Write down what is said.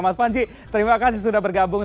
mas panji terima kasih sudah bergabung